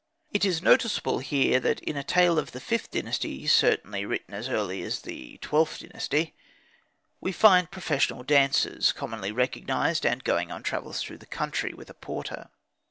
It is noticeable here that in a tale of the Vth Dynasty, certainly written as early as the XIIth Dynasty, we find professional dancers commonly recognised, and going on travels through the country, with a porter.